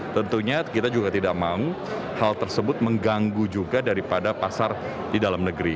tentunya kita juga tidak mau hal tersebut mengganggu juga daripada pasar di dalam negeri